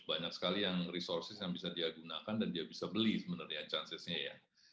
banyak sekali yang resources yang bisa dia gunakan dan dia bisa beli sebenarnya chancesnya ya